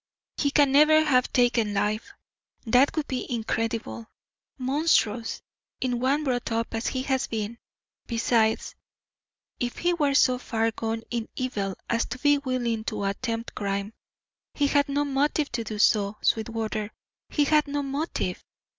He can never have taken life. That would be incredible, monstrous, in one brought up as he has been. Besides, if he were so far gone in evil as to be willing to attempt crime, he had no motive to do so; Sweetwater, he had no motive.